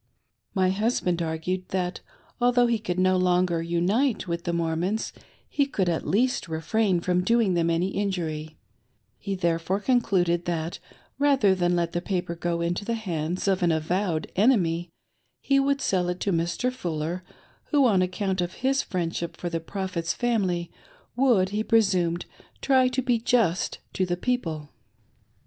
My husband argued that, although he could no longer unite with the Mormons, he could at least refrain from doing them any injury ; he therefore concluded that, rather than let the paper go into the hands of an avowed enemy, he would sell it to Mr. Fuller, who, on account of his friendship for the Prophet's family, wsould, he presumed, try to be just to the people.